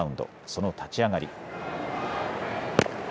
その立ち上がり。